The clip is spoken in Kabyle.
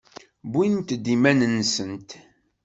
Wwint-d iman-nsent.